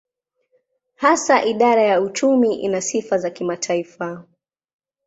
Hasa idara ya uchumi ina sifa za kimataifa.